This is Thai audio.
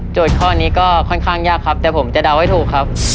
ข้อนี้ก็ค่อนข้างยากครับแต่ผมจะเดาให้ถูกครับ